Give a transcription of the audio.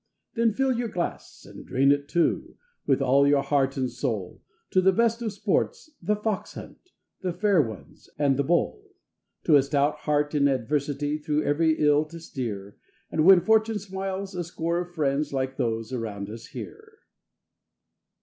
Then fill your glass, and drain it, too, with all your heart and soul, To the best of sports The Fox hunt, The Fair Ones, and The Bowl, To a stout heart in adversity through every ill to steer, And when Fortune smiles a score of friends like those around us here.